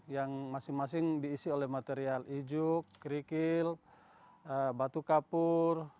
yang masing masing diisi oleh material ijuk kerikil batu kapur